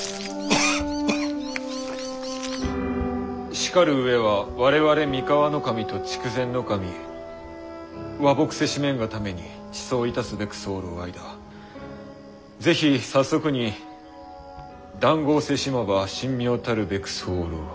「しかる上は我々三河守と筑前守和睦せしめんがためにちそう致すべく候間是非早速に談合せしまば神妙たるべく候」。